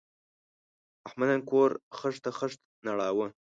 احمد نن کور خښته خښته نړاوه.